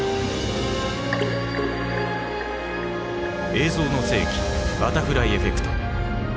「映像の世紀バタフライエフェクト」。